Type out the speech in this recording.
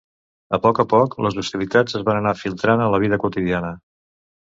A poc a poc, les hostilitats es van anar filtrant en la vida quotidiana.